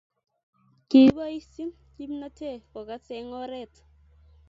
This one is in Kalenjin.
kikiboisyi kimnate kosaa eng' oret.